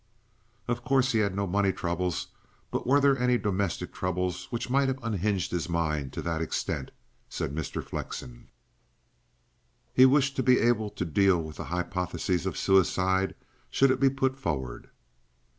"Of course he had no money troubles; but were there any domestic troubles which might have unhinged his mind to that extent?" said Mr. Flexen. He wished to be able to deal with the hypothesis of suicide, should it be put forward.